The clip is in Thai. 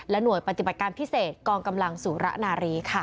หน่วยปฏิบัติการพิเศษกองกำลังสุระนารีค่ะ